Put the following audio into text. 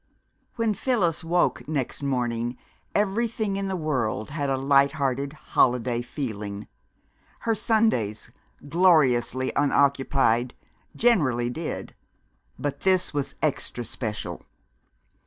III When Phyllis woke next morning everything in the world had a light hearted, holiday feeling. Her Sundays, gloriously unoccupied, generally did, but this was extra special.